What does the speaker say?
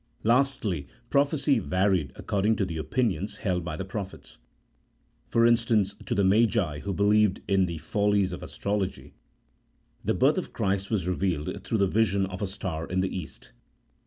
Lastly, prophecy varied according to the opinions held by the prophets ; for instance, to the Magi, who believed in the follies of astrology, the birth of Christ was revealed through the vision of a star in the East.